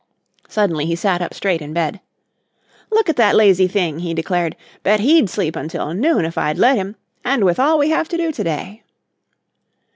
Suddenly he sat up straight in bed. "Look at that lazy thing," he declared. "Bet he'd sleep until noon if I'd let him, and with all we have to do to day."